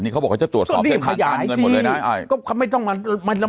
ก็เรียกว่าจะตรวจสอบผ่านการเงินหมดเลยนะ